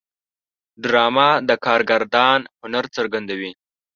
ډرامه د کارگردان هنر څرګندوي